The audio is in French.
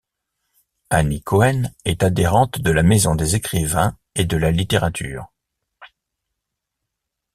Annie Cohen est adhérente de la Maison des écrivains et de la littérature.